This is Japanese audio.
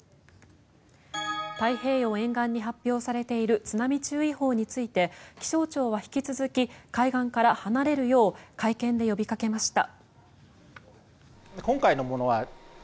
太平洋沿岸に発表されている津波注意報について気象庁は引き続き海岸から離れるよう会見で呼びかけました。